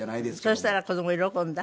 そしたら子供喜んだ？